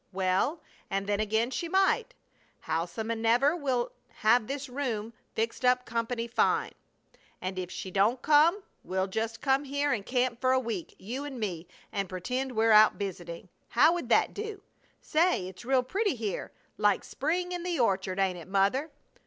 "Well, and then again she might. Howsomenever, we'll have this room fixed up company fine, and if she don't come we'll just come here and camp for a week, you and me, and pretend we're out visiting. How would that do? Say, it's real pretty here, like spring in the orchard, ain't it, Mother?